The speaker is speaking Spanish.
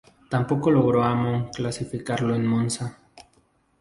Tampoco logró Amon clasificarlo en Monza.